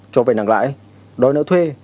cho vay nặng lãi đòi nợ thuê